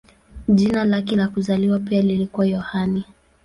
Jina lake la kuzaliwa pia lilikuwa Yohane.